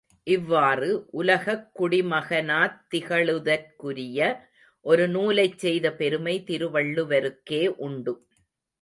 இவ்வாறு உலகக் குடிமகனாத் திகழுதற்குரிய ஒரு நூலைச் செய்த பெருமை திருவள்ளுவருக்கே உண்டு.